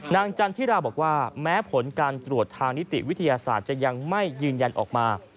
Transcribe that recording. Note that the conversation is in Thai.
จันทิราบอกว่าแม้ผลการตรวจทางนิติวิทยาศาสตร์จะยังไม่ยืนยันออกมา